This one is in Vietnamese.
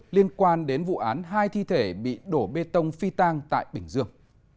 liên quan đến vụ án hai thi thể bị đổ bê tông phi tang tại bình dương